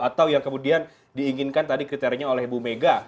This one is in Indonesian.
atau yang kemudian diinginkan tadi kriterianya oleh ibu mega